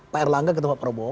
pak erlangga ketemu pak prabowo